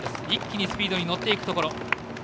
一気にスピードに乗っていくところ。